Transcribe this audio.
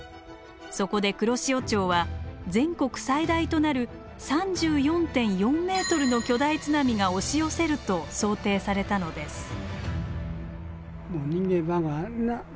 そこで黒潮町は全国最大となる３４．４ｍの巨大津波が押し寄せると想定されたのです。